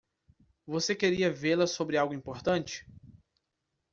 Você queria vê-la sobre algo importante?